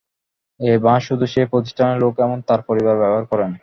এই বাস শুধু সেই প্রতিষ্ঠানেরই লোক এবং তাঁর পরিবার ব্যবহার করবেন।